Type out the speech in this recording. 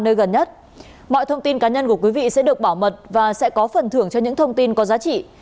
nơi gần nhất mọi thông tin cá nhân của quý vị sẽ được bảo mật và sẽ có phần thưởng cho những thông tin có giá trị